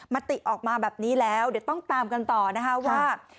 มติออกมาแบบนี้แล้วเดี๋ยวต้องตามกันต่อนะคะว่า